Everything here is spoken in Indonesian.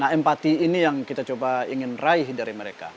nah empati ini yang kita coba ingin raih dari mereka